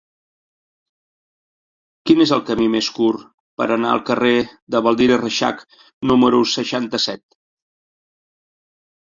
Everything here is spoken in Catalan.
Quin és el camí més curt per anar al carrer de Baldiri Reixac número seixanta-set?